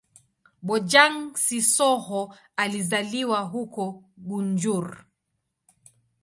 Bojang-Sissoho alizaliwa huko Gunjur.